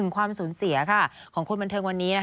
ความสูญเสียของคนบันเทิงวันนี้